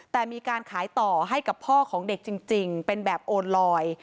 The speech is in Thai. แต่มีการขายต่อให้กับพ่อของเด็กจริงเป็นแบบโอนลอย